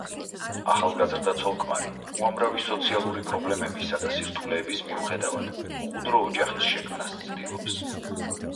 ახალგაზრდა ცოლ-ქმარი უამრავი სოციალური პრობლემებისა და სირთულეების მიუხედავად, მყუდრო ოჯახის შექმნას ცდილობს.